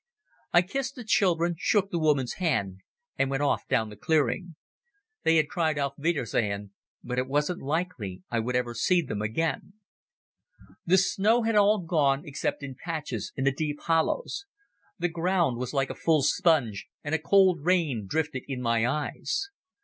I kissed the children, shook the woman's hand, and went off down the clearing. They had cried "Auf wiedersehen," but it wasn't likely I would ever see them again. The snow had all gone, except in patches in the deep hollows. The ground was like a full sponge, and a cold rain drifted in my eyes.